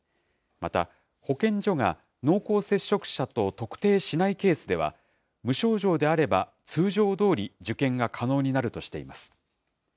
また保健所が濃厚接触者と特定しないケースでは、無症状であれば、通常どおり受験が可能になるとしています。